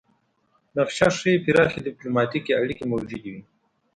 نقشه ښيي پراخې ډیپلوماتیکې اړیکې موجودې وې